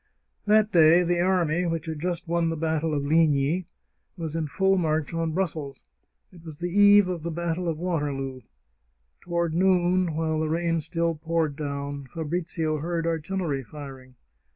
That day the army, which had just won the battle of Ligny, was in full march on Brussels. It was the eve of the battle of Waterloo. Toward noon, while the rain still poured down, Fabrizio heard artillery firing.